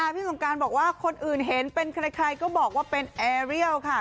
พี่สงการบอกว่าคนอื่นเห็นเป็นใครก็บอกว่าเป็นแอร์เรียลค่ะ